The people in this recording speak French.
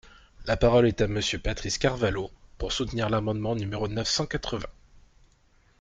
La parole est à Monsieur Patrice Carvalho, pour soutenir l’amendement numéro neuf cent quatre-vingts.